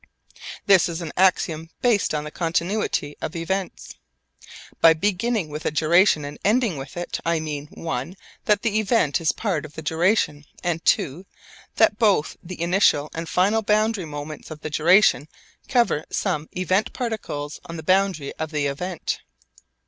This is an axiom based on the continuity of events. By beginning with a duration and ending with it, I mean (i) that the event is part of the duration, and (ii) that both the initial and final boundary moments of the duration cover some event particles on the boundary of the event.